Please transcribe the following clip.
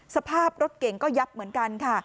สภาพรถเก่งก็ยับเหมือนกันค่ะ